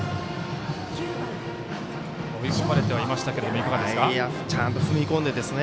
追い込まれてはいましたがいかがですか？